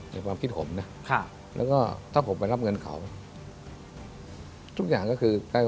ในความคิดผมนะแล้วก็ถ้าผมไปรับเงินเขาทุกอย่างก็คือใกล้